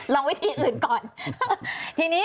ลองวิธีอื่นก่อน